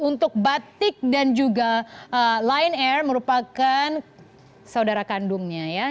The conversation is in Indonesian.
untuk batik dan juga lion air merupakan saudara kandungnya ya